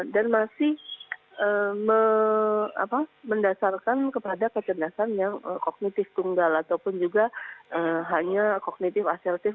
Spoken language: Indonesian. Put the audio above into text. dan masih mendasarkan kepada kecerdasan yang kognitif tunggal ataupun juga hanya kognitif asertif